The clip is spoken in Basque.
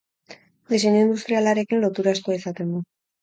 Diseinu industrialarekin lotura estua izaten du.